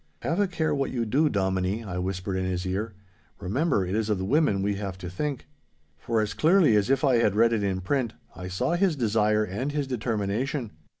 'Have a care what you do, Dominie,' I whispered in his ear. 'Remember, it is of the women we have to think.' For as clearly as if I had read it in print, I saw his desire and his determination.